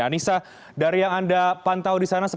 anissa dari yang anda pantau disana